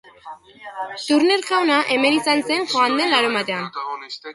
Turner jauna hemen izan zen joan den larunbatean...